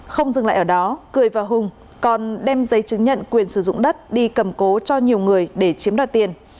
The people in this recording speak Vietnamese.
không dừng lại ở đó cười và hùng còn đem giấy chứng nhận quyền sử dụng đất đi cầm cố cho nhiều người để chiếm đoạt tiền